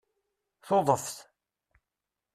Tuḍeft